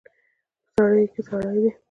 په سړیو کې سړي دي